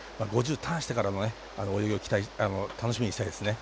ターンしてからの泳ぎを楽しみにしたいですね。